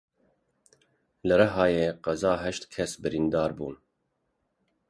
Li Rihayê qeza heşt kes birîndar bûn.